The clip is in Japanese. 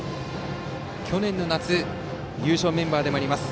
去年の夏の優勝メンバーでもあります。